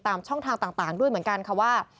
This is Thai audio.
ช่องทางต่างด้วยเหมือนกันค่ะว่า